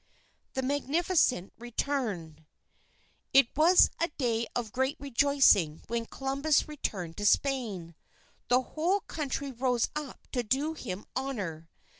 THE MAGNIFICENT RETURN It was a day of great rejoicing when Columbus returned to Spain. The whole country rose up to do him honour.